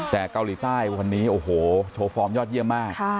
แต่เกาหลีใต้วันนี้โอ้โหโชว์ฟอร์มยอดเยี่ยมมาก